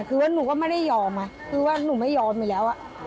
คือว่าหนูก็ไม่ได้ยอมคือว่าหนูไม่ยอมไปแล้ว